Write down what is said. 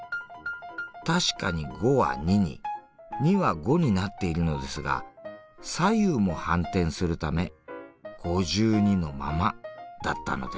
確かに５は２に２は５になっているのですが左右も反転するため５２のままだったのです。